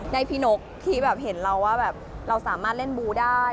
ในพี่นกที่เห็นเราว่าเราสามารถเล่นบูได้